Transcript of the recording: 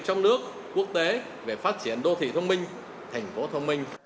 trong nước quốc tế về phát triển đô thị thông minh thành phố thông minh